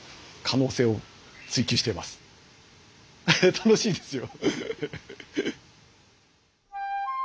楽しいですよ。